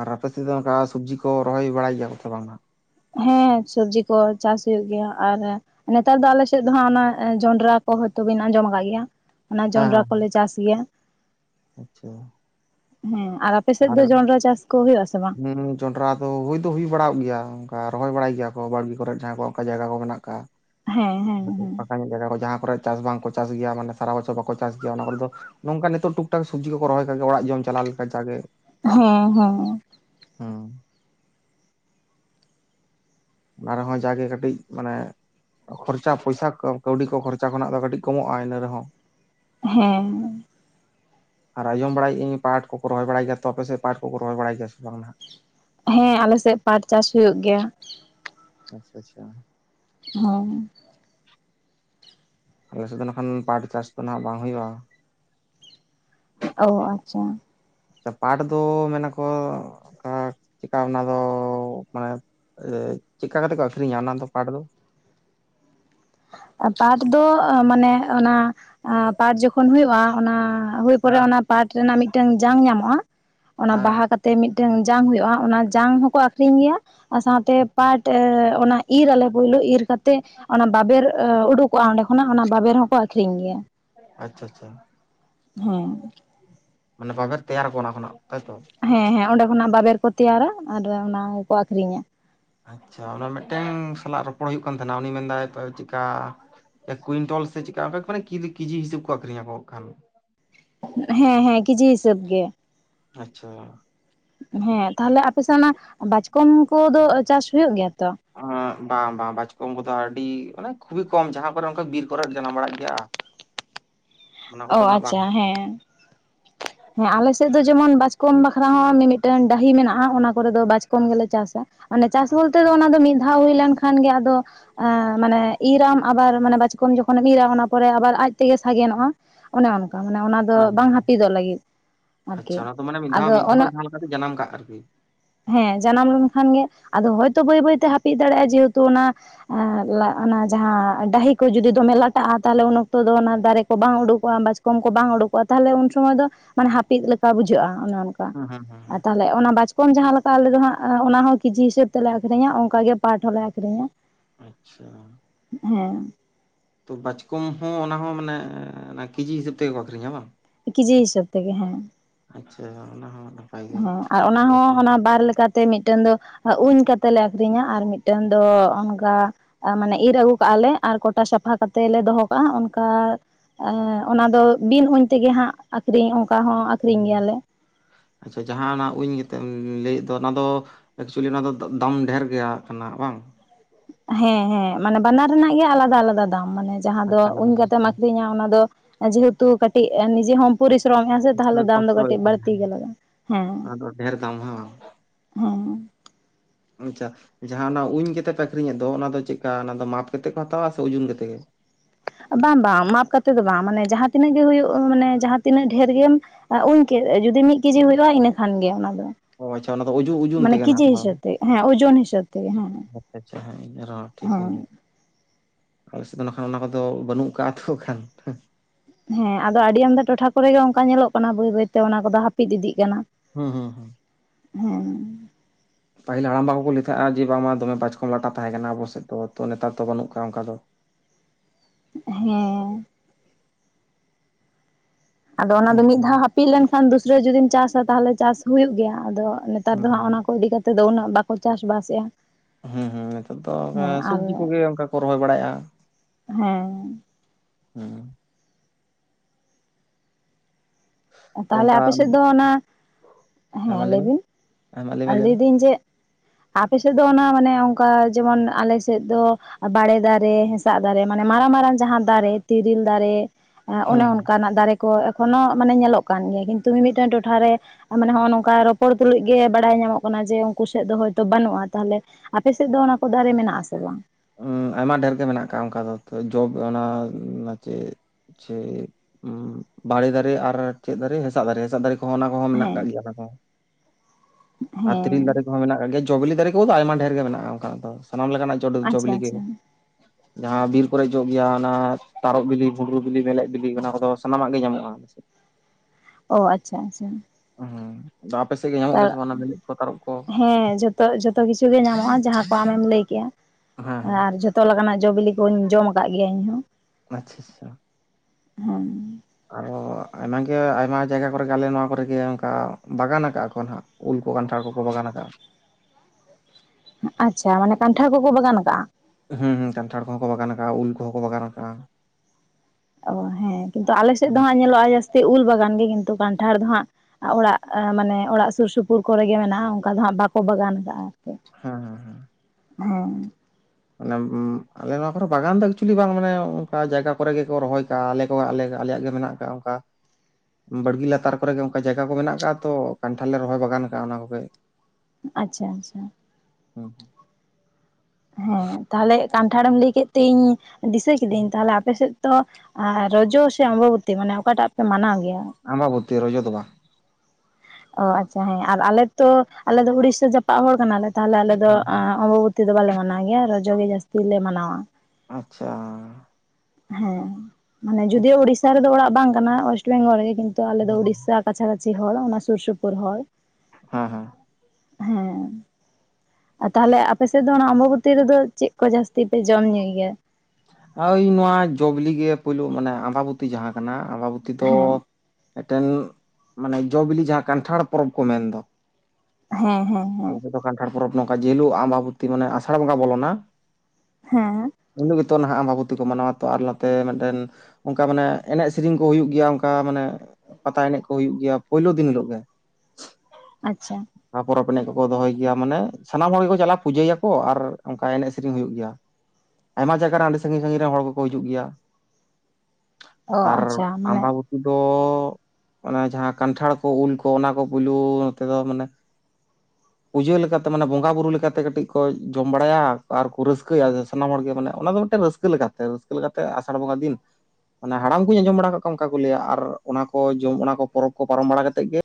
ᱟᱨ ᱟᱯᱮ ᱥᱮᱫ ᱫᱚ ᱚᱱᱠᱟ ᱥᱚᱵᱽᱡᱤ ᱠᱚ ᱨᱚᱦᱚᱭ ᱵᱟᱲᱟᱭ ᱜᱮᱭᱟ ᱠᱚ ᱥᱮ ᱵᱟᱝ? ᱦᱮᱸ, ᱥᱚᱵᱽᱡᱤ ᱠᱚ ᱪᱟᱥ ᱦᱩᱭᱩᱜ ᱜᱮᱭᱟ ᱟᱨ ᱱᱮᱛᱟᱨ ᱫᱚ ᱟᱞᱮ ᱥᱮᱫ ᱫᱚ ᱦᱟᱸᱜ ᱚᱱᱟ ᱡᱚᱱᱰᱨᱟ ᱠᱚ ᱦᱚᱭ ᱛᱚ ᱵᱤᱱ ᱟᱸᱡᱚᱢ ᱟᱠᱟᱫ ᱜᱮᱭᱟ᱾ ᱚᱱᱟ ᱦᱮᱸ ᱡᱚᱱᱰᱨᱟ ᱦᱮᱸ ᱠᱚᱞᱮ ᱪᱟᱥ ᱜᱮᱭᱟ᱾ ᱟᱪᱪᱷᱟ᱾ ᱦᱮᱸ, [UNINTELLIGIBLE] [UNINTELLIGIBLE] ᱡᱚᱱᱰᱨᱟ ᱪᱟᱥ ᱠᱚ ᱦᱩᱭᱩᱜ ᱟᱥᱮ ᱵᱟᱝ ᱡᱚᱸᱰᱨᱟ ᱫᱚ ᱦᱩᱭ ᱫᱚ ᱦᱩᱭ ᱵᱟᱲᱟᱣᱜ ᱜᱮᱭᱟ᱾ ᱚᱱᱠᱟ ᱨᱚᱦᱚᱭ ᱵᱟᱲᱟᱭ ᱜᱮᱭᱟ ᱠᱚ ᱵᱟᱲᱜᱤ ᱠᱚᱨᱮ ᱡᱟᱦᱟᱸᱭ ᱠᱚᱣᱟᱜ ᱚᱱᱠᱟ ᱡᱟᱭᱜᱟ ᱠᱚ ᱢᱮᱱᱟᱜ ᱠᱟᱜ-ᱟ᱾ ᱦᱮᱸ ᱦᱮᱸ ᱠᱟᱹᱴᱤᱡ ᱦᱮᱸ ᱯᱷᱟᱠᱟ ᱧᱚᱜ ᱡᱟᱜᱟ ᱠᱚ ᱡᱟᱦᱟᱸ ᱠᱚᱨᱮ ᱪᱟᱥ ᱵᱟᱝᱠᱚ ᱪᱟᱥ ᱜᱮᱭᱟ, ᱢᱟᱱᱮ ᱥᱟᱨᱟ ᱵᱚᱪᱷᱚᱨ ᱵᱟᱠᱚ ᱪᱟᱥ ᱜᱮᱭᱟ, ᱚᱱᱟ ᱠᱚᱨᱮ ᱫᱚ ᱱᱚᱝᱠᱟ ᱱᱤᱛᱚᱜ ᱴᱩᱠ-ᱴᱟᱠ ᱥᱚᱵᱡᱤ ᱠᱚᱠᱚ ᱨᱚᱦᱚᱭ ᱟᱠᱟᱫ ᱜᱮᱭᱟ᱾ ᱚᱲᱟᱜ ᱡᱚᱢ ᱪᱟᱞᱟᱣ ᱞᱮᱠᱟ ᱡᱟᱦᱟᱸ ᱜᱮ᱾ ᱦᱮᱸ ᱦᱮᱸ᱾ ᱦᱮᱸ᱾ ᱚᱱᱟ ᱨᱮᱦᱚᱸ ᱡᱟᱜᱮ ᱠᱟᱹᱴᱤᱡ ᱢᱟᱱᱮᱼᱼ ᱠᱷᱚᱨᱪᱟ ᱯᱚᱭᱥᱟ ᱠᱚ ᱠᱟᱹᱣᱰᱤ ᱠᱚ ᱠᱷᱚᱨᱪᱟ ᱠᱷᱚᱱᱟᱜ ᱫᱚ ᱠᱟᱹᱴᱤᱡ ᱠᱚᱢᱚᱜᱼᱟ, ᱤᱱᱟᱹ ᱨᱮᱦᱚᱸ᱾ ᱦᱮᱸ᱾ ᱟᱨ ᱟᱸᱡᱚᱢ ᱵᱟᱲᱟᱭᱮᱜ ᱟᱹᱧ ᱯᱟᱴ ᱠᱚᱠᱚ ᱨᱚᱦ ᱵᱟᱲᱟᱭ ᱜᱮᱭᱟ ᱛᱚ ᱟᱯᱮ ᱥᱮᱫ ᱯᱟᱴ ᱠᱚ ᱠᱚ ᱨᱚᱦᱚᱭ ᱵᱟᱲᱟᱭ ᱜᱮᱭᱟ ᱥᱮ ᱵᱟᱝ ᱱᱟᱜ? ᱦᱮᱸ ᱟᱞᱮ ᱥᱮᱫ ᱯᱟᱴ ᱪᱟᱥ ᱦᱩᱭᱩᱜ ᱜᱮᱭᱟ᱾ ᱟᱪᱪᱷᱟ ᱟᱪᱪᱷᱟ᱾ ᱦᱚᱸ᱾ ᱟᱞᱮ ᱥᱮᱫ ᱫᱚ ᱱᱟᱠᱷᱟᱱ ᱯᱟᱴ ᱪᱟᱥ ᱫᱚ ᱱᱟᱦᱟᱜ ᱵᱟᱝ ᱦᱩᱭᱩᱜᱼᱟ᱾ ᱚ ᱟᱪᱪᱷᱟ᱾ ᱯᱟᱴ ᱫᱚ ᱢᱮᱱᱟ ᱠᱚ ᱪᱮᱫᱠᱟ ᱚᱱᱟ ᱫᱚ ᱢᱟᱱᱮ ᱪᱮᱫᱠᱟ ᱠᱟᱛᱮ ᱠᱚ ᱟᱠᱷᱨᱤᱧᱟ ᱚᱱᱟ ᱫᱚ ᱯᱟᱴ ᱫᱚ? ᱯᱟᱴ ᱫᱚ ᱢᱟᱱᱮ ᱚᱱᱟ ᱯᱟᱴ ᱡᱚᱠᱷᱚᱱ ᱦᱩᱭᱩᱜᱼᱟ ᱚᱱᱟ ᱦᱩᱭ ᱯᱚᱨᱮ ᱦᱮᱸ ᱚᱱᱟ ᱯᱟᱴ ᱨᱮᱱᱟᱜ ᱢᱤᱫᱴᱟᱝ ᱡᱟᱝ ᱧᱟᱢᱚᱜᱼᱟ, ᱚᱱᱟ ᱦᱮᱸ ᱵᱟᱦᱟ ᱠᱟᱛᱮ ᱛᱮ ᱢᱤᱫᱴᱟᱹᱝ ᱡᱟᱝ ᱦᱳᱭᱳᱜᱼᱟ, ᱚᱱᱟ ᱡᱟᱝ ᱦᱚᱸᱠᱚ ᱟᱠᱷᱨᱤᱧ ᱜᱮᱭᱟ ᱟᱨ ᱥᱟᱶᱛᱮ ᱯᱟᱴ ᱚᱱᱟ ᱤᱨ ᱟᱞᱮ ᱯᱳᱭᱞᱳ ᱤᱨ ᱠᱟᱛᱮ ᱚᱱᱟ ᱵᱟᱵᱮᱨ ᱩᱰᱩᱠᱚᱜᱼᱟ ᱚᱸᱰᱮ ᱠᱷᱚᱱᱟᱜ, ᱚᱱᱟ ᱵᱟᱵᱮᱨ ᱦᱚᱸᱠᱚ ᱟᱹᱠᱷᱨᱤᱧ ᱜᱮᱭᱟ᱾ ᱟᱪᱪᱷᱟ ᱟᱪᱪᱷᱟ᱾ ᱦᱮᱸ᱾ ᱢᱟᱱᱮ ᱵᱟᱵᱮᱨ ᱛᱮᱭᱟᱨᱟ ᱠᱚ ᱚᱱᱟ ᱠᱷᱚᱱᱟᱜ ᱛᱟᱭᱛᱚ? ᱦᱮᱸ ᱦᱮᱸ ᱚᱸᱰᱮ ᱠᱷᱚᱱᱟᱜ ᱵᱟᱵᱮᱨ ᱠᱚ ᱛᱮᱭᱟᱨᱟ ᱟᱨ ᱚᱱᱟ ᱜᱮ ᱠᱚ ᱟᱠᱷᱨᱤᱧᱟ᱾ ᱟᱪᱪᱷᱟ ᱚᱱᱟ ᱢᱤᱫᱴᱮᱝ ᱥᱟᱞᱟᱜ ᱨᱚᱯᱚᱲ ᱦᱩᱭᱩᱜ ᱠᱟᱱ ᱛᱟᱦᱮᱱᱟ ᱩᱱᱤ ᱢᱮᱱᱫᱟᱭ ᱛᱚ ᱪᱮᱠᱠᱟ ᱮᱠ ᱠᱩᱭᱤᱱᱴᱚᱞ ᱥᱮ ᱪᱮᱠᱟ ᱚᱱᱠᱟ ᱠᱤᱡᱤ ᱠᱤᱡᱤ ᱦᱤᱥᱟᱹᱵ ᱠᱚ ᱟᱠᱠᱷᱨᱤᱧᱟᱠᱚ ᱦᱟᱜ ᱠᱷᱟᱱ᱾ ᱦᱮᱸ ᱦᱮᱸ ᱠᱤᱡᱤ ᱦᱤᱥᱟᱹᱵ ᱜᱮ᱾ ᱟᱪᱪᱷᱟ᱾ ᱦᱮᱸ ᱛᱟᱦᱚᱞᱮ ᱟᱯᱮ ᱥᱮᱱ ᱚᱱᱟ ᱵᱟᱪᱠᱚᱢ ᱠᱚᱫᱚ ᱪᱟᱥ ᱦᱩᱭᱩᱜ ᱜᱮᱭᱟ ᱛᱚ? ᱵᱟᱝ ᱵᱟᱝ ᱵᱟᱪᱠᱚᱢ ᱠᱚᱫᱚ ᱟᱹᱰᱤ ᱢᱟᱱᱮ ᱠᱷᱩᱵᱤ ᱠᱚᱢ ᱡᱟᱦᱟᱸ ᱠᱚᱨᱮ ᱚᱱᱠᱟ ᱵᱤᱨ ᱠᱚᱨᱮ ᱡᱟᱱᱟᱢ ᱵᱟᱲᱟᱜ ᱜᱮᱭᱟ᱾ ᱚᱱᱟ ᱚ ᱠᱚᱫᱚ ᱱᱟᱜ ᱵᱟᱝ ᱟᱪᱪᱷᱟ ᱦᱩᱭᱩᱜᱼᱟ᱾ ᱦᱮᱸ ᱦᱮᱸ ᱟᱞᱮ ᱥᱮᱫ ᱫᱚ ᱡᱮᱢᱚᱱ ᱵᱟᱪᱠᱚᱢ ᱵᱟᱠᱷᱨᱟ ᱦᱚᱸ ᱢᱤ ᱢᱤᱫᱴᱮᱱ ᱰᱟᱹᱦᱤ ᱢᱮᱱᱟᱜᱼᱟ, ᱚᱱᱟ ᱠᱚᱨᱮ ᱫᱚ ᱵᱟᱪᱠᱚᱢ ᱜᱮᱞᱮ ᱪᱟᱥᱟ᱾ ᱟᱱᱮ ᱪᱟᱥ ᱵᱚᱞᱛᱮ ᱫᱚ ᱚᱱᱟ ᱫᱚ ᱢᱤᱫ ᱫᱷᱟᱣ ᱦᱩᱭ ᱞᱮᱱᱠᱷᱟᱱ ᱜᱮ ᱟᱫᱚᱼᱼ ᱢᱟᱱᱮ ᱤᱨᱟᱢ ᱟᱵᱟᱨ ᱢᱟᱱᱮ ᱵᱟᱪᱠᱚᱢ ᱡᱚᱠᱷᱚᱱᱮᱢ ᱤᱨᱟ ᱚᱱᱟ ᱯᱚᱨᱮ ᱟᱵᱟᱨ ᱟᱡ ᱛᱮᱜᱮ ᱥᱟᱜᱮᱱᱚᱜᱼᱟ᱾ ᱚᱱᱮ ᱚᱱᱠᱟ ᱢᱟᱱᱮ ᱚᱱᱟ ᱫᱚ ᱦᱮᱸ ᱵᱟᱝ ᱦᱟᱹᱯᱤᱫᱚᱜ ᱞᱟᱹᱜᱤᱫ᱾ ᱟᱨᱠᱤ ᱟᱪᱪᱷᱟ ᱚᱱᱟ ᱫᱚ ᱢᱟᱱᱮ ᱢᱤᱫ ᱫᱷᱟᱣ ᱟᱫᱚ ᱢᱤᱫ ᱫᱷᱟᱣ ᱚᱱᱮ ᱡᱟᱦᱟᱸ ᱞᱮᱠᱟᱛᱮ ᱡᱟᱱᱟᱢ ᱠᱟᱜ ᱟᱨᱠᱤ᱾ ᱦᱮᱸ ᱡᱟᱱᱟᱢ ᱞᱮᱱᱠᱷᱟᱱ ᱜᱮ ᱟᱫᱚ ᱦᱚᱭᱛᱚ ᱵᱟᱹᱭ ᱵᱟᱹᱭ ᱛᱮ ᱦᱟᱹᱯᱤᱫ ᱫᱟᱲᱮᱭᱟᱜᱼᱟ, ᱡᱮᱦᱮᱛᱩ ᱚᱱᱟ ᱚᱱᱟ ᱡᱟᱦᱟᱸ ᱰᱟᱺᱦᱤ ᱠᱚ ᱡᱩᱫᱤ ᱫᱚᱢᱮ ᱞᱟᱴᱟᱜᱼᱟ, ᱛᱟᱦᱞᱮ ᱩᱱ ᱚᱠᱛᱚ ᱫᱚ ᱚᱱᱟ ᱫᱟᱨᱮ ᱠᱚ ᱵᱟᱝ ᱩᱰᱩᱠᱚᱜᱼᱟ᱾ᱵᱟᱪ ᱠᱚᱢ ᱠᱚ ᱵᱟᱝ ᱩᱰᱩᱠᱚᱜᱼᱟ ᱛᱟᱦᱚᱞᱮ ᱩᱱ ᱥᱚᱢᱚᱭ ᱫᱚ ᱢᱟᱱᱮ ᱦᱟᱹᱯᱤᱫ ᱞᱮᱠᱟ ᱵᱩᱡᱷᱟᱹᱜᱼᱟ, ᱚᱱᱮ ᱚᱱᱠᱟ ᱦᱩᱸ ᱦᱩᱸ ᱦᱩᱸ ᱦᱩᱸ, ᱛᱟᱦᱚᱞᱮ ᱚᱱᱟ ᱵᱟᱪ ᱠᱚᱢ ᱡᱟᱦᱟᱸ ᱞᱮᱠᱟ ᱟᱞᱮ ᱫᱚ ᱦᱟᱸᱜ ᱚᱱᱟ ᱦᱚᱸ ᱠᱤᱡᱤ ᱦᱤᱥᱟᱹᱵ ᱛᱮᱞᱮ ᱟᱹᱠᱷᱨᱤᱧᱟ ᱚᱱᱠᱟᱜᱮ ᱯᱟᱴ ᱦᱚᱸᱞᱮ ᱟᱹᱠᱷᱨᱤᱧᱟ᱾ ᱟᱪᱪᱷᱟ᱾ ᱦᱮᱸ᱾ ᱛᱚ ᱵᱟᱪᱠᱚᱢ ᱦᱚᱸ ᱚᱱᱟ ᱦᱚᱸ ᱢᱟᱱᱮ ᱠᱤᱡᱤ ᱦᱤᱥᱟᱹᱵ ᱛᱮᱜᱮ ᱠᱚ ᱟᱠᱷᱨᱤᱧᱟ ᱵᱟᱝ? ᱠᱤᱡᱤ ᱦᱤᱥᱟᱹᱵ ᱛᱮᱜᱮ ᱦᱮᱸ᱾ ᱟᱪᱪᱷᱟ ᱚᱱᱟ ᱦᱚᱸᱼᱼ ᱦᱮᱸ ᱟᱨ ᱚᱱᱟ ᱦᱚᱸ ᱚᱱᱟ ᱵᱟᱨᱼᱼ ᱛᱮ ᱢᱤᱫᱴᱮᱱ ᱫᱚ ᱩᱧ ᱠᱟᱛᱮ ᱞᱮ ᱟᱠᱷᱨᱤᱧᱟ ᱟᱨ ᱢᱤᱫᱴᱟᱝ ᱫᱚ ᱚᱱᱠᱟ ᱢᱟᱱᱮ ᱤᱨ ᱟᱹᱜᱩ ᱠᱟᱜᱼᱟ ᱞᱮ ᱟᱨ ᱠᱚᱴᱟ ᱥᱟᱯᱷᱟ ᱠᱟᱛᱮᱫ ᱞᱮ ᱫᱚᱦᱚ ᱠᱟᱜᱼᱟ ᱚᱱᱠᱟᱼᱼ ᱚᱱᱟ ᱫᱚ ᱵᱤᱱ ᱩᱧ ᱛᱮᱜᱮ ᱦᱟᱸᱜ ᱟᱠᱷᱨᱤᱧ ᱚᱱᱠᱟ ᱦᱚᱸᱟᱠ ᱟᱠᱷᱨᱤᱧ ᱜᱮᱭᱟ ᱞᱮ᱾ ᱟᱪᱪᱷᱟ ᱡᱟᱦᱟᱸᱱᱟᱜ ᱩᱧ ᱞᱟᱹᱭᱮᱫ ᱫᱚ ᱚᱱᱟᱫᱚ ᱮᱠᱪᱩᱭᱮᱞᱤ ᱚᱱᱟ ᱫᱚ ᱫᱟᱢ ᱰᱷᱹᱮᱨ ᱜᱮᱭᱟ ᱠᱟᱱᱟ ᱵᱟᱝ? ᱦᱮᱸ ᱦᱮᱸ ᱢᱟᱱᱮ ᱵᱟᱱᱟᱨ ᱨᱮᱱᱟᱜ ᱜᱮ ᱟᱞᱟᱫᱟ ᱟᱞᱟᱫᱟ ᱫᱟᱢ ᱢᱟᱱᱮ ᱡᱟᱦᱟᱸ ᱫᱚ ᱟᱪᱪᱷᱟ ᱩᱧ ᱠᱟᱛᱮᱢ ᱟᱠᱷᱨᱤᱧᱟ ᱚᱱᱟ ᱫᱚ, ᱡᱮᱦᱮᱛᱩ ᱠᱟᱹᱴᱤᱡ ᱱᱤᱡᱮ ᱦᱚᱸ ᱯᱚᱨᱤᱥᱨᱚᱢ ᱦᱮᱸ ᱥᱮ ᱛᱟᱦᱚᱞᱮ ᱫᱟᱢ ᱫᱚ ᱠᱟᱹᱴᱤᱡ ᱵᱟᱹᱲᱛᱤ ᱜᱮ ᱞᱟᱜᱟᱜᱼᱟ ᱦᱮᱸ᱾ ᱟᱫᱚ ᱰᱷᱮᱨ ᱫᱟᱢ ᱦᱮᱸᱵᱟᱝ? ᱦᱮᱸ ᱯᱚᱧᱪᱟᱥ ᱡᱟᱦᱟᱸ ᱚᱱᱟ ᱩᱧ ᱠᱟᱛᱮᱫ ᱯᱮ ᱟᱠᱷᱨᱤᱧᱮᱫ ᱫᱚ ᱚᱱᱟ ᱫᱚ ᱪᱮᱫ ᱞᱮᱠᱟ ᱚᱱᱟ ᱫᱚ ᱢᱟᱯ ᱠᱟᱛᱮᱜ ᱠᱚ ᱦᱟᱛᱟᱣᱟ ᱥᱮ ᱚᱡᱩᱱ ᱠᱟᱛᱮᱜ ᱜᱮ? ᱵᱟᱝ ᱵᱟᱝ ᱢᱟᱯ ᱠᱟᱛᱮᱫ ᱫᱚ ᱵᱟᱝ ᱢᱟᱱᱮ ᱡᱟᱦᱟᱸᱛᱤᱱᱟᱹᱜ ᱜᱮ ᱦᱩᱭᱩᱜ ᱢᱟᱱᱮ ᱡᱟᱦᱟᱸᱛᱤᱱᱟᱹᱜ ᱰᱷᱮᱨ ᱜᱮᱢ ᱩᱧ ᱠᱮᱫ ᱡᱩᱫᱤ ᱢᱤᱫ ᱠᱮᱡᱤ ᱦᱩᱭᱩᱜᱼᱟ ᱤᱱᱟᱹ ᱠᱷᱟᱱᱜ ᱚᱱᱟ ᱫᱚ ᱚ ᱟᱪᱪᱷᱟ ᱚᱱᱟᱫᱚ ᱚᱡᱩ ᱚᱡᱩᱱ ᱢᱟᱱᱮ ᱛᱮᱜᱮ ᱠᱮᱡᱤ ᱱᱟᱦᱟᱸᱜ, ᱦᱤᱥᱟᱹᱵ ᱛᱮ ᱦᱮᱸ ᱳᱡᱚᱱ ᱦᱤᱥᱟᱹᱵ ᱛᱮᱜᱮ ᱦᱮᱸ ᱟᱪᱪᱷᱟ ᱟᱪᱪᱷᱟ ᱦᱮᱸ ᱤᱱᱟ ᱨᱮᱦᱚᱸ ᱴᱷᱤᱠᱮᱱ ᱦᱮᱸ ᱜᱮᱭᱟ ᱟᱞᱮ ᱥᱮᱫ ᱫᱚ ᱱᱟᱜ ᱠᱷᱟᱱ ᱚᱱᱟ ᱠᱚᱫᱚ ᱵᱟᱹᱱᱩᱜ ᱠᱟᱜ-ᱟ ᱛᱚ ᱠᱷᱟᱱ ᱦᱮᱸ ᱟᱫᱚ ᱟᱹᱰᱤ ᱟᱢᱫᱟ ᱴᱚᱴᱷᱟ ᱠᱚᱨᱮᱜᱮ ᱚᱱᱠᱟ ᱧᱮᱞᱚᱜ ᱠᱟᱱᱟ ᱵᱟᱹᱭ ᱵᱟᱹᱭᱛᱮ ᱚᱱᱟ ᱠᱚᱫᱚ ᱦᱟᱹᱯᱤᱫ ᱤᱫᱤᱜ ᱠᱟᱱᱟ ᱦᱩᱸ ᱦᱩᱸ ᱦᱩᱸ, ᱦᱮᱸ ᱯᱟᱹᱦᱤᱞ ᱦᱟᱲᱟᱢ ᱵᱟ ᱠᱚᱠᱚ ᱞᱟᱹᱭ ᱛᱟᱦᱮᱸᱜᱼᱟ ᱡᱮ ᱵᱟᱝᱢᱟ ᱫᱚᱢᱮ ᱵᱟᱪᱠᱚᱢ ᱞᱟᱴᱟ ᱛᱟᱦᱮᱸ ᱠᱟᱱᱟ ᱟᱵᱚ ᱥᱮᱫ ᱫᱚ ᱛᱚ ᱱᱮᱛᱟᱨ ᱫᱚ ᱵᱟᱹᱱᱩᱜ ᱠᱟᱜ-ᱟ ᱚᱱᱠᱟ ᱫᱚ, ᱦᱮᱸ ᱟᱫᱚ ᱚᱱᱟ ᱦᱩᱸ ᱫᱚ ᱢᱤᱫ ᱫᱷᱟᱣ ᱦᱩᱸ ᱦᱟᱹᱯᱤᱫ ᱞᱮᱱᱠᱷᱟᱱ ᱫᱚᱩᱥᱨᱟᱹ ᱡᱩᱫᱤᱢ ᱪᱟᱥᱟ ᱛᱟᱦᱚᱞᱮ ᱪᱟᱥ ᱦᱩᱭᱩᱜ ᱜᱮᱭᱟ ᱟᱫᱚ ᱱᱮᱛᱟᱨ ᱫᱚ ᱦᱟᱸᱜ ᱦᱩᱸ ᱚᱱᱟ ᱠᱚ ᱤᱫᱤ ᱠᱟᱛᱮᱫ ᱫᱚ ᱩᱱᱟᱹᱜ ᱵᱟᱠᱚ ᱪᱟᱥ ᱵᱟᱥᱮᱜᱼᱟ ᱦᱩᱸ ᱦᱩᱸ ᱱᱮᱛᱟᱨ ᱫᱚ ᱥᱚᱵᱡᱤ ᱠᱚᱜᱮ ᱚᱱᱠᱟ ᱠᱚ ᱨᱚᱦᱚᱭ ᱵᱟᱲᱟᱭᱮᱜᱼᱟ, ᱦᱮᱸ ᱦᱩᱸ ᱛᱚ ᱛᱟᱦᱚᱞᱮ ᱚᱱᱠᱟ ᱟᱯᱮᱥᱮᱫ ᱫᱚ ᱚᱱᱟ ᱢᱟ ᱦᱮᱸ ᱞᱟᱹᱭ ᱢᱮ ᱞᱟᱹᱭᱵᱤᱱ ᱦᱮᱸ ᱢᱟ ᱢᱮ ᱟᱨ ᱞᱟᱹᱭ ᱢᱮ ᱫᱤᱧ ᱡᱮ ᱟᱯᱮ ᱥᱮᱫ ᱫᱚ ᱚᱱᱟ ᱢᱟᱱᱮ ᱚᱱᱠᱟ ᱡᱮᱢᱚᱱ ᱟᱞᱮ ᱥᱮᱫ ᱫᱚ ᱵᱟᱲᱮ ᱫᱟᱨᱮ ᱦᱮᱸᱥᱟᱜ ᱫᱟᱨᱮ ᱢᱟᱱᱮ ᱢᱟᱨᱟᱝ ᱢᱟᱨᱟᱝ ᱡᱟᱦᱟᱸ ᱫᱟᱨᱮ ᱛᱤᱨᱤᱞ ᱫᱟᱨᱮ ᱚᱱᱮ ᱦᱩᱸ ᱚᱱᱠᱟᱱᱟᱜ ᱫᱟᱨᱮ ᱠᱚ ᱮᱠᱷᱚᱱᱚ ᱢᱟᱱᱮ ᱧᱮᱞᱚᱜ ᱠᱟᱱ ᱜᱮᱭᱟ ᱠᱤᱱᱛᱩ ᱢᱤᱫ ᱢᱤᱫ ᱴᱟᱝ ᱴᱚᱴᱷᱟ ᱨᱮ, ᱟᱨ ᱢᱟᱱᱮ ᱦᱚᱸᱜᱼᱚ ᱱᱚᱝᱠᱟ ᱨᱚᱯᱚᱲ ᱛᱩᱞᱩᱡ ᱜᱮ ᱵᱟᱲᱟᱭ ᱧᱟᱢᱚᱜ ᱠᱟᱱᱟ ᱡᱮ ᱩᱱᱠᱩ ᱥᱮᱫ ᱫᱚ ᱦᱳᱭᱛᱚ ᱵᱟᱹᱱᱩᱜᱼᱟ ᱛᱟᱦᱚᱞᱮ ᱟᱯᱮ ᱥᱮᱫ ᱫᱚ ᱚᱱᱟ ᱠᱚ ᱫᱟᱨᱮ ᱢᱮᱱᱟᱜ-ᱟ ᱥᱮ ᱵᱟᱝ? ᱩᱸ ᱟᱭᱢᱟ ᱰᱷᱮᱨ ᱜᱮ ᱢᱮᱱᱟᱜ ᱠᱟᱜ-ᱟ ᱚᱱᱠᱟ ᱫᱚ ᱡᱚᱵ ᱚᱱᱟ ᱚᱱᱟ ᱪᱮᱫ ᱪᱮᱫ ᱵᱟᱲᱮ ᱫᱟᱨᱮ ᱟᱨ ᱪᱮᱫ ᱫᱟᱨᱮ ᱦᱮᱸᱥᱟᱜ ᱫᱟᱨᱮ ᱦᱸᱥᱟᱜ ᱫᱟᱨᱮ ᱠᱚᱸ ᱦᱚᱸ ᱢᱮᱱᱟᱜ ᱦᱮᱸ ᱠᱟᱜ ᱜᱮᱭᱟ ᱚᱱᱟᱠᱚ ᱟᱨ ᱦᱮᱸ ᱛᱤᱨᱤᱞ ᱫᱟᱨᱮ ᱢᱮᱱᱟᱜ ᱜᱮᱭᱟ ᱡᱚ ᱵᱤᱞᱤ ᱫᱟᱨᱮ ᱠᱚᱫᱚ ᱟᱭᱢᱟ ᱰᱷᱮᱨ ᱜᱮ ᱢᱮᱱᱟᱜᱼᱟ ᱚᱱᱠᱟᱱᱟᱜ ᱟᱫᱚ ᱥᱟᱱᱟᱢ ᱞᱮᱠᱟᱱᱟᱜ ᱡᱚ ᱟᱪᱪᱷᱟ ᱵᱤᱞᱤ ᱜᱮ, ᱟᱪᱪᱷᱟ ᱡᱟᱦᱟᱸ ᱵᱤᱨ ᱠᱚᱨᱮ ᱡᱚᱜ ᱜᱮᱭᱟ ᱚᱱᱟ ᱛᱟᱨᱚᱵ ᱵᱤᱞᱤ ᱵᱷᱩᱸᱰᱨᱩ ᱵᱤᱞᱤ ᱢᱮᱞᱮᱫ ᱵᱤᱞᱤ ᱚᱱᱟ ᱠᱚᱫᱚ ᱥᱟᱱᱟᱢᱟᱜ ᱜᱮ ᱧᱟᱢᱚᱜᱼᱟ ᱚ ᱟᱪᱪᱷᱟ ᱟᱪᱪᱷᱟ ᱦᱩᱸ ᱟᱫᱚ ᱟᱯᱮ ᱥᱮᱫ ᱜᱮ ᱧᱟᱢᱚᱜ ᱛᱟᱨ ᱜᱮᱭᱟ ᱥᱮ ᱵᱟᱝ ᱚᱱᱟ ᱢᱤᱞᱮᱫ ᱠᱚ ᱛᱟᱨᱚᱵ ᱠᱚ? ᱦᱮᱸ ᱡᱷᱚᱛᱚ ᱠᱤᱪᱷᱩ ᱜᱮ ᱧᱟᱢᱚᱜᱼᱟ ᱡᱟᱦᱟᱸ ᱠᱚ ᱟᱢᱮᱢ ᱞᱟᱹᱭ ᱠᱮᱜᱼᱟ ᱦᱮᱸ ᱦᱮᱸ ᱟᱨ ᱡᱷᱚ ᱛᱚ ᱞᱮᱠᱟᱱᱟᱜ ᱡᱚ ᱵᱤᱞᱤ ᱠᱚᱦᱩᱧ ᱡᱚᱢ ᱠᱟᱜ ᱜᱮᱭᱟ ᱤᱧᱦᱚᱸ, ᱟᱪᱪᱷᱟ ᱟᱪᱪᱷᱟ ᱦᱩᱸ ᱟᱨᱚ ᱟᱭᱢᱟ ᱜᱮ ᱟᱭᱢᱟ ᱡᱟᱭᱜᱟ ᱠᱚᱨᱮᱜᱮ ᱟᱞᱮ ᱱᱚᱣᱟ ᱠᱚᱨᱮᱜᱮ ᱚᱱᱠᱟ ᱵᱟᱜᱟᱱ ᱠᱟᱜᱼᱟ ᱠᱚ ᱱᱟᱦᱟᱸᱜ ᱩᱞ ᱠᱚ ᱠᱟᱱᱴᱷᱟᱲ ᱠᱚᱠᱚ ᱵᱟᱜᱟᱱ ᱠᱟᱜ-ᱟ ᱟᱪᱪᱷᱟ ᱢᱟᱱᱮ ᱠᱟᱱᱴᱷᱟᱲ ᱠᱚᱠᱚ ᱵᱟᱜᱟᱱ ᱠᱟᱜᱼᱟ ᱦᱩᱸ ᱦᱩᱸ ᱠᱟᱱᱴᱷᱟᱲ ᱠᱚᱦᱚᱸ ᱠᱚ ᱵᱟᱜᱟᱱ ᱠᱟᱜᱼᱟ ᱩᱞ ᱠᱚᱦᱚᱸ ᱠᱚ ᱵᱟᱜᱟᱱ ᱠᱟᱜᱼᱟ ᱚ ᱦᱮᱸ ᱠᱤᱱᱛᱩ ᱟᱞᱮ ᱥᱮᱫ ᱫᱚ ᱦᱮᱸ ᱦᱟᱸᱜ ᱧᱮᱞᱚᱜᱼᱟ ᱡᱟᱹᱥᱛᱤ ᱩᱞ ᱵᱟᱜᱟᱱ ᱜᱮ ᱠᱤᱱᱛᱩ ᱠᱟᱱᱴᱷᱟᱲ ᱫᱚ ᱦᱟᱸᱜ ᱚᱲᱟᱜ ᱢᱟᱱᱮ ᱚᱲᱟᱜ ᱥᱩᱨ ᱥᱩᱯᱩᱨ ᱠᱚᱨᱮᱜ ᱜᱮ ᱢᱮᱱᱟᱜᱼᱟ ᱚᱱᱠᱟ ᱫᱚ ᱦᱟᱸᱜ ᱵᱟᱠᱚ ᱵᱟᱜᱟᱱ ᱠᱟᱜᱼᱟ ᱟᱨᱠᱤ ᱦᱮᱸ ᱦᱮᱸ ᱦᱮᱸ ᱦᱮᱸ ᱚᱱᱮ ᱟᱞᱮ ᱱᱚᱣᱟ ᱠᱚᱨᱮ ᱵᱟᱜᱟᱱ ᱫᱚ ᱮᱠᱪᱮᱞᱤ ᱵᱟᱝ ᱢᱟᱱᱮ ᱚᱱᱠᱟ ᱡᱟᱭᱜᱟ ᱠᱚᱨᱮ ᱜᱮᱠᱚ ᱨᱚᱦᱚᱭ ᱠᱟᱜᱼᱟ ᱟᱞᱮ ᱠᱚᱣᱟᱜ ᱟᱞᱮᱭᱟᱜ ᱜᱮ ᱢᱮᱱᱟᱜ-ᱟ ᱠᱟᱜ ᱚᱝᱠᱟ, ᱵᱟᱲᱜᱤ ᱞᱟᱛᱟᱨ ᱠᱚᱨᱮᱜᱮ ᱚᱱᱠᱟ ᱡᱟᱭᱜᱟ ᱠᱚ ᱢᱮᱱᱟᱜ ᱠᱟᱜ-ᱟ ᱛᱚ ᱠᱟᱱᱴᱷᱟᱲ ᱞᱮ ᱨᱚᱦᱚᱭ ᱵᱟᱜᱟᱱ ᱠᱟᱜᱼᱟ ᱚᱱᱟ ᱠᱚᱜᱮ, ᱟᱪᱪᱷᱟ ᱟᱪᱪᱷᱟ [INAUDIBLE] ᱦᱮᱸ ᱛᱟᱦᱚᱞᱮ ᱠᱟᱱᱴᱷᱟᱲᱮᱢ ᱞᱟᱹᱭ ᱠᱮᱫ ᱛᱮ ᱤᱧ ᱫᱤᱥᱟᱹ ᱠᱤᱫᱟᱹᱧ ᱛᱟᱦᱚᱞᱮ ᱟᱯᱮᱥᱮᱫ ᱛᱚ ᱨᱚᱡᱚ ᱥᱮ ᱚᱢᱵᱚᱵᱚᱛᱤ ᱢᱟᱱᱮ ᱚᱠᱟᱴᱟᱜ ᱯᱮ ᱢᱟᱱᱟᱣ ᱜᱮᱭᱟ? ᱟᱢᱵᱟᱵᱚᱛᱤ ᱨᱚᱡᱚ ᱫᱚ ᱵᱟᱝ᱾ ᱚ ᱟᱪᱪᱷᱟ ᱦᱮᱸ ᱟᱨ ᱟᱞᱮ ᱛᱚ ᱟᱞᱮ ᱫᱚ ᱩᱲᱤᱥᱥᱟ ᱡᱟᱯᱟᱜ ᱦᱚᱲ ᱠᱟᱱᱟᱞᱮ ᱛᱟᱦᱚᱞᱮ ᱟᱞᱮ ᱫᱚ ᱦᱮᱸ ᱟᱸᱼᱼ ᱚᱢᱵᱚᱵᱚᱛᱤ ᱫᱚ ᱵᱟᱞᱮ ᱢᱟᱱᱟᱣ ᱜᱮᱭᱟ, ᱨᱚᱡᱚ ᱜᱮ ᱡᱟᱹᱥᱛᱤ ᱞᱮ ᱢᱟᱱᱟᱣᱟ᱾ ᱟᱪᱪᱷᱟ ᱦᱮᱸ ᱢᱟᱱᱮ ᱡᱩᱫᱤᱭᱳ ᱩᱲᱤᱥᱥᱟ ᱨᱮᱫᱚ ᱚᱲᱟᱜ ᱵᱟᱝ ᱠᱟᱱᱟ ᱭᱮᱥᱴ ᱵᱮᱝᱜᱚᱞ ᱨᱮᱜᱮ ᱠᱤᱱ ᱛᱚ ᱟᱞᱮ ᱫᱚ ᱩᱲᱤᱥᱥᱟ ᱠᱟᱪᱷᱟ - ᱠᱟᱪᱷᱤ ᱦᱚᱲ ᱚᱱᱟ ᱥᱩᱨ - ᱥᱩᱯᱩᱨ ᱦᱚᱲ᱾ ᱦᱮᱸ ᱦᱮᱸ ᱦᱮᱸ ᱟ ᱛᱟᱦᱞᱮ ᱟᱯᱮ ᱥᱮᱫ ᱫᱚ ᱚᱱᱟ ᱟᱸᱵᱟᱸᱼᱼ ᱛᱤ ᱨᱮᱫᱚ ᱪᱮᱫ ᱠᱚ ᱡᱟᱹᱥᱛᱤ ᱯᱮ ᱡᱚᱢ ᱧᱩᱭ ᱜᱮᱭᱟ? ᱳᱭ ᱱᱚᱣᱟ ᱡᱚᱼᱵᱤᱞᱤ ᱜᱮ ᱯᱳᱭᱞᱳ ᱢᱟᱱᱮ ᱟᱸᱵᱟᱸ ᱵᱩᱛᱤ ᱡᱟᱦᱟᱸ ᱠᱟᱱᱟ ᱟᱸᱵᱟᱸᱵᱚᱛᱤ ᱫᱚᱼᱼ ᱦᱮᱸ ᱢᱤᱫᱴᱟᱱ ᱢᱟᱱᱮ ᱡᱚ ᱵᱤᱞᱤ ᱡᱟᱦᱟᱸ ᱠᱟᱸᱱᱴᱷᱟᱲ ᱯᱚᱨᱚᱵᱽ ᱠᱚ ᱢᱮᱱ ᱫᱚ᱾ ᱦᱮᱸ ᱦᱮᱸ ᱚᱠᱚᱭ ᱦᱮᱸ ᱠᱚ ᱫᱚ ᱠᱟᱸᱱᱴᱷᱟᱲ ᱯᱚᱨᱚᱵᱽ ᱱᱚᱝᱠᱟ ᱡᱮᱦᱤᱞᱳᱜ ᱟᱸᱢᱵᱟᱸᱵᱚᱛᱤ ᱢᱟᱱᱮ ᱟᱥᱟᱲ ᱵᱚᱸᱜᱟ ᱵᱚᱞᱚᱱᱟᱼᱼ ᱦᱮᱸ ᱩᱱ ᱦᱤᱞᱳᱜ ᱜᱮᱛᱚ ᱱᱟᱦᱟᱜ ᱟᱸᱢᱵᱟᱸᱵᱚᱛᱤ ᱠᱚ ᱢᱟᱱᱟᱣᱟ ᱛᱚ ᱟᱨ ᱱᱚᱛᱮ ᱢᱤᱫᱴᱮᱱᱼᱼ ᱚᱝᱠᱟ ᱢᱟᱱᱮ ᱮᱱᱮᱡ ᱥᱮᱸᱨᱮᱸᱧ ᱠᱚ ᱦᱩᱭᱩᱜ ᱜᱮᱭᱟ ᱚᱱᱠᱟ ᱢᱟᱱᱮᱼᱼ ᱯᱟᱛᱟ ᱮᱱᱮᱡᱽ ᱠᱚ ᱦᱩᱭᱩᱜ ᱜᱮᱭᱟ ᱯᱳᱭᱞᱳ ᱫᱤᱱ ᱦᱤᱞᱳᱜ ᱜᱮ᱾ ᱟᱪᱪᱷᱟ [UNINTELLIGIBLE] ᱯᱚᱨᱚᱵᱽ ᱮᱱᱮᱡᱽ ᱠᱚᱠᱚ ᱫᱚᱦᱚᱭ ᱜᱮᱭᱟ ᱢᱟᱱᱮ ᱥᱟᱱᱟᱢ ᱦᱚᱲ ᱜᱮᱠᱚ ᱪᱟᱞᱟᱜᱼᱟ, ᱯᱩᱡᱟᱹᱭᱟᱠᱚ ᱟᱨ ᱚᱱᱠᱟ ᱮᱱᱮᱡᱽ ᱥᱮᱸᱨᱮᱸᱧ ᱦᱩᱭᱩᱜ ᱜᱮᱭᱟ᱾ ᱟᱭᱢᱟ ᱡᱟᱭᱜᱟ ᱨᱮᱱ ᱚᱸᱰᱮ ᱥᱟᱹᱜᱤᱧ ᱥᱟᱹᱜᱤᱧ ᱨᱮᱱ ᱦᱚᱲ ᱠᱚᱠᱚ ᱦᱤᱡᱩᱜ ᱜᱮᱭᱟ᱾ ᱚ ᱟᱨ ᱟᱪᱪᱷᱟ ᱢᱟᱱᱮ ᱟᱸᱵᱟᱸᱵᱩᱛᱤᱼᱼ ᱫᱚ ᱟᱱᱟ ᱡᱟᱸᱦᱟᱸ ᱠᱟᱸᱱᱴᱷᱟᱲ ᱠᱚ ᱩᱞ ᱠᱚ ᱚᱱᱟ ᱠᱚ ᱯᱩᱭᱞᱩ ᱱᱚᱛᱮ ᱫᱚ ᱢᱟᱱᱮᱼᱼ ᱯᱩᱡᱟᱹ ᱞᱮᱠᱟᱛᱮ ᱢᱟᱱᱮ ᱵᱚᱸᱜᱟ ᱵᱩᱨᱩ ᱞᱮᱠᱟᱛᱮ ᱠᱟᱹᱴᱤᱡ ᱠᱚ ᱡᱚᱢ ᱵᱟᱲᱟᱭᱟ ᱟᱨ ᱠᱚ ᱨᱟᱹᱥᱠᱟᱹᱭᱟ ᱥᱟᱱᱟᱢ ᱦᱚᱲᱜᱮ ᱢᱟᱱᱮ ᱚᱱᱟ ᱫᱚ ᱢᱤᱫᱴᱮᱱ ᱨᱟᱹᱥᱼᱼ ᱨᱟᱹᱥᱠᱟᱹ ᱞᱮᱠᱟᱛᱮ ᱨᱟᱹᱥᱠᱟᱹ ᱞᱮᱠᱟᱛᱮ ᱟᱥᱟᱲ ᱵᱚᱸᱜᱟ ᱫᱤᱱ᱾ ᱢᱟᱱᱮ ᱦᱟᱲᱟᱢ ᱠᱩᱧ ᱟᱸᱡᱚᱢ ᱵᱟᱲᱟ ᱠᱟᱜ ᱠᱚᱣᱟ᱾ ᱚᱝᱠᱟ ᱠᱚ ᱞᱟᱹᱭᱟ ᱟᱨ ᱚᱱᱟ ᱠᱚ ᱡᱚᱢ ᱚᱱᱟ ᱠᱚ ᱯᱚᱨᱚᱵᱽ ᱠᱚ ᱯᱟᱨᱚᱢ ᱵᱟᱲᱟ ᱠᱟᱛᱮᱫ ᱜᱮᱼᱼ